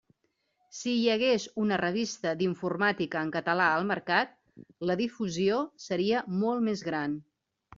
Si hi hagués una revista d'informàtica en català al mercat, la difusió seria molt més gran.